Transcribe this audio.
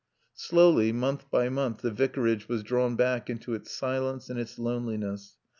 Slowly, month by month, the Vicarage was drawn back into its silence and its loneliness.